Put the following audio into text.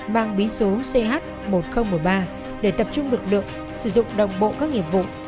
mang bí số ch một nghìn một mươi ba để tập trung lực lượng sử dụng đồng bộ các nghiệp vụ